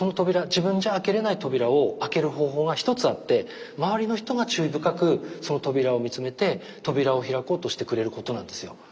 自分じゃ開けれない扉を開ける方法が一つあって周りの人が注意深くその扉を見つめて扉を開こうとしてくれることなんですよ。